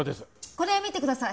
これ見てください。